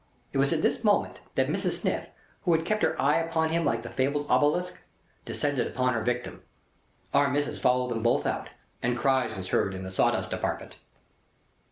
It was at this moment that Mrs. Sniff, who had kep' her eye upon him like the fabled obelisk, descended on her victim. Our Missis followed them both out, and cries was heard in the sawdust department.